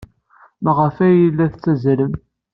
Maɣef ay la tettazzalem?